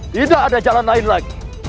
tidak ada jalan lain lagi